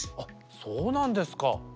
そうなんですか。